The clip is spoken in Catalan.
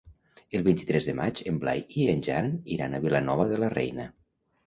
El vint-i-tres de maig en Blai i en Jan iran a Vilanova de la Reina.